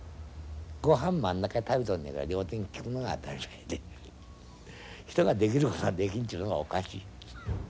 ごはん真ん中で食べとんじゃから両手がきくのが当たり前で人ができることができんちゅうのがおかしい。